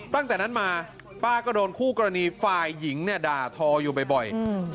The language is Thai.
ตั้งแต่นั้นมาป้าก็โดนคู่กรณีฝ่ายหญิงเนี่ยด่าทออยู่บ่อย